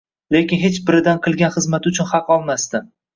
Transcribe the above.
Lekin hech biridan qilgan xizmati uchun haq olmasdi.